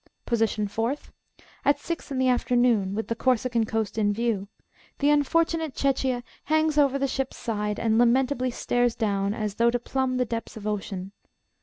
Position Fourth: at six in the afternoon, with the Corsican coast in view; the unfortunate chechia hangs over the ship's side, and lamentably stares down as though to plumb the depths of ocean.